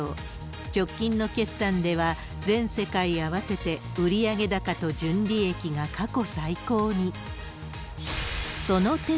直近の決算では、全世界合わせて売上高と純利益が過去最高に。